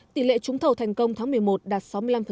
tỷ lệ trúng thầu thành công tháng một mươi một đạt sáu mươi năm